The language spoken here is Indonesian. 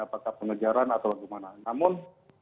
apakah pengejaran atau bagaimana namun